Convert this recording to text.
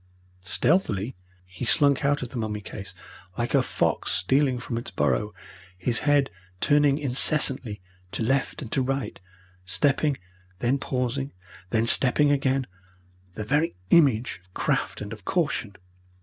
Stealthily he slunk out of the mummy case, like a fox stealing from its burrow, his head turning incessantly to left and to right, stepping, then pausing, then stepping again, the very image of craft and of caution.